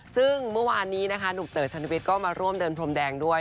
ซึ่งเมื่อวานนี้นะคะหนุ่มเต๋อชันวิทย์ก็มาร่วมเดินพรมแดงด้วย